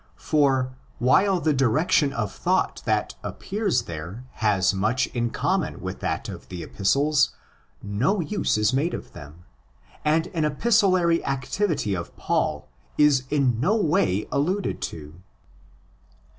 For, while the direction of thought that appears there has much in common with that of the Epistles, no use is made of them, and an epistolary activity of Paul is in no way alluded to.!